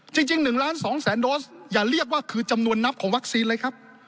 จริง๑ล้าน๒แสนโดสอย่าเรียกว่าคือจำนวนนับของวัคซีนเลยครับ